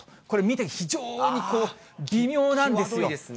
これ、見て非常にこう微妙なんですよ。